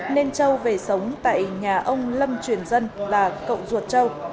nên châu về sống tại nhà ông lâm truyền dân là cậu ruột châu